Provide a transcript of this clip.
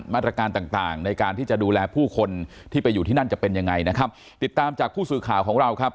มาตรการต่างต่างในการที่จะดูแลผู้คนที่ไปอยู่ที่นั่นจะเป็นยังไงนะครับติดตามจากผู้สื่อข่าวของเราครับ